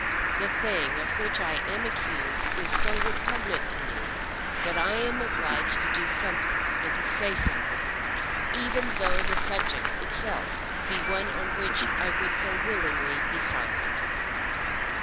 The thing of which I am accused is so repugnant to me, that I am obliged to do something and to say something, even though the subject itself be one on which I would so willingly be silent."